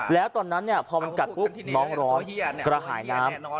แล้วตอนนั้นพอมันกัดปุ๊บน้องร้อนกระหายน้ำ